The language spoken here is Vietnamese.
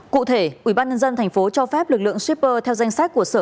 cụ thể ubnd tp cho phép lực lượng shipper theo danh sách của sở